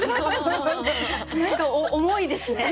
何か重いですね。